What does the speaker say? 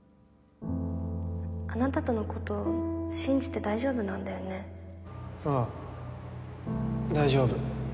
あなたとのこと信じて大丈夫なんだよねああ大丈夫。